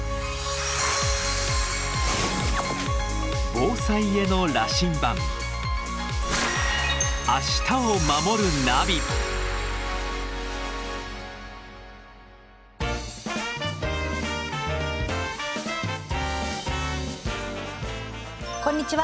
防災への羅針盤こんにちは